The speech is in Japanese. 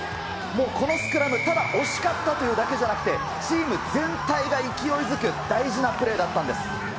もうこのスクラム、ただ惜しかったというだけじゃなくて、チーム全体が勢いづく大事なプレーだったんです。